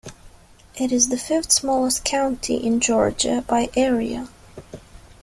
It is the fifth-smallest county in Georgia by area.